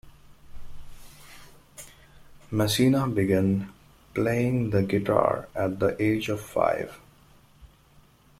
Messina began playing the guitar at the age of five.